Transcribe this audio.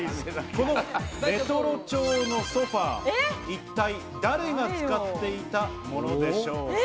このレトロ調のソファ、一体、誰が使っていたものでしょうか？